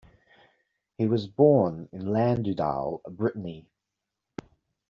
He was born in Landudal, Brittany.